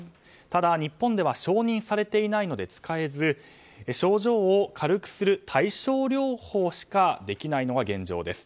ただ、日本では承認されていないので使えず症状を軽くする対症療法しかできないのが現状です。